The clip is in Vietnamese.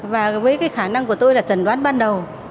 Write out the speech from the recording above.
và với cái khả năng của tôi là trần đoán ban đầu